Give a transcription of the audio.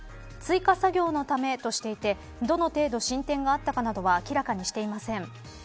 追加作業のためとしていてどの程度進展があったかなどは明らかにしていません。